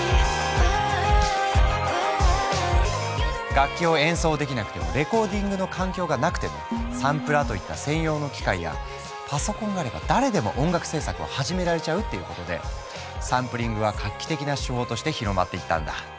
楽器を演奏できなくてもレコーディングの環境がなくてもサンプラーといった専用の機械やパソコンがあれば誰でも音楽制作を始められちゃうっていうことでサンプリングは画期的な手法として広まっていったんだ。